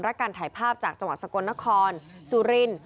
และการถ่ายภาพจากจังหวัดสกลนครสุรินทร์